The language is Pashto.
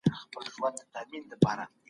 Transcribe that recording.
دوه او درې ځایه یې تور وو